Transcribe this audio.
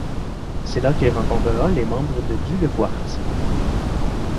C'est là qu'il rencontrera les membres de Due le quartz.